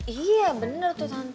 iya bener tuh tante